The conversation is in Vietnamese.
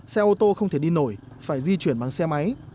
xe ô tô không thể đi nổi phải di chuyển bằng xe máy